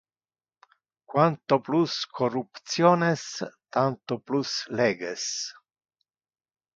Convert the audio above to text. quanto plus corruptiones tanto plus leges